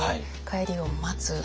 帰りを待つ。